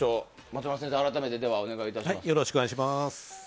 松村先生、改めてよろしくお願いします。